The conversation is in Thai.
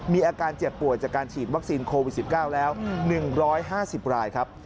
มีอาการเจ็บป่วยจากการฉีดวัคซีนโควิด๑๙แล้ว๑๕๐รายครับ